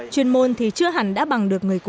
chuyên môn thì chưa hẳn đã bằng được người cô